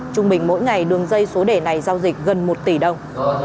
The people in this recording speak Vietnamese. trung bình mỗi ngày đường dây số đề này giao dịch gần một tỷ đồng